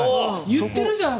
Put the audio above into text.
言ってるじゃん！